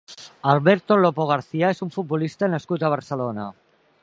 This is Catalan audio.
Alberto Lopo García és un futbolista nascut a Barcelona.